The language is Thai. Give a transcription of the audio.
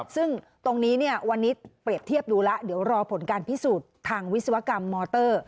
ซึ่งตรงนี้วันนี้เปรียบเทียบดูแล้วเดี๋ยวรอผลการพิสูจน์ทางวิศวกรรมมอเตอร์